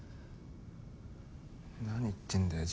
何言ってんだよ